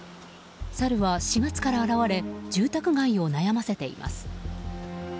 サルは４月から現れ住宅街を悩ませています。